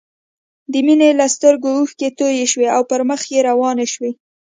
د مينې له سترګو اوښکې توې شوې او پر مخ يې روانې شوې